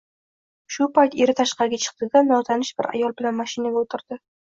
Shu payt eri tashqariga chiqdi-da, notanish bir ayol bilan mashinaga o`tirdi